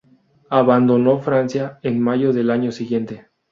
Abandonó Francia en mayo del año siguiente.